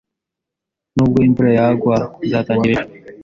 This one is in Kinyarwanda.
Nubwo imvura yagwa, nzatangira ejo.